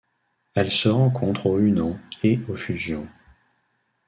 Elle se rencontre au Hunan et au Fujian.